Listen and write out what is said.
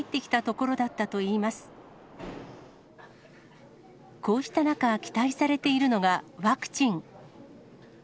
こうした中、期待されているのがワクチン。